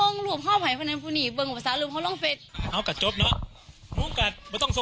ในแชท